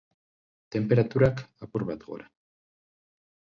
Tenperaturak, apur bat gora.